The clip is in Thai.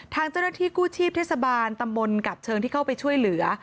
ทางเจ้าหน้าที่กู้ชีพเทศบาลตำบลกับเชิงที่เข้าไปช่วยเหลือ